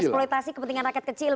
mengeksploitasi kepentingan rakyat kecil